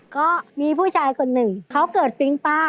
ก็มีผู้ชายคนหนึ่งเขาเกิดปิ๊งป้า